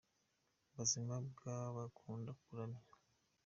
Buzima bwabakunda kuramya